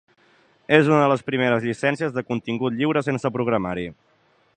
És una de les primeres llicències de contingut lliure sense programari.